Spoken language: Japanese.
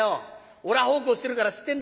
おらぁ奉公してるから知ってんだ。